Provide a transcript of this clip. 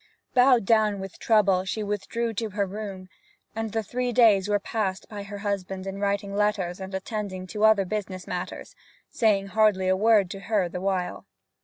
Bowed down with trouble, she withdrew to her room, and the three days were passed by her husband in writing letters and attending to other business matters, saying hardly a word to her the while.